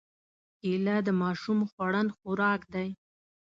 کېله د ماشوم خوړن خوراک دی.